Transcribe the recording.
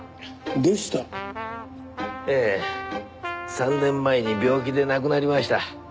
３年前に病気で亡くなりました。